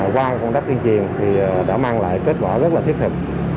qua công tác tuyên truyền thì đã mang lại kết quả rất là thiết thực